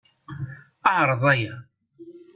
Ɛreḍ aya.